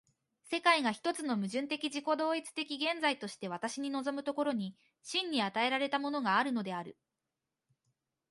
世界が一つの矛盾的自己同一的現在として私に臨む所に、真に与えられたものがあるのである。